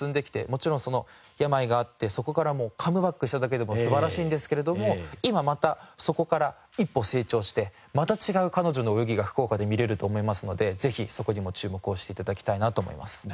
もちろんその病があってそこからカムバックしただけでも素晴らしいんですけれども今またそこから一歩成長してまた違う彼女の泳ぎが福岡で見れると思いますのでぜひそこにも注目をして頂きたいなと思います。